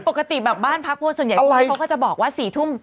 ปกติแบบบ้านพักพวกส่วนใหญ่คนร้ายเขาก็จะบอกว่า๔ทุ่ม